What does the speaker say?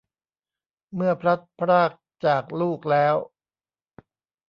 เมื่อพลัดพรากจากลูกแล้ว